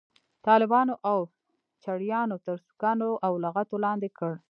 طالبانو او چړیانو تر سوکانو او لغتو لاندې کړ.